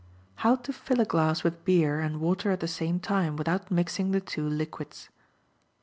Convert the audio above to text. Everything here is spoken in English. How to Fill a Glass With Beer and Water at the Same Time, Without Mixing the Two Liquids.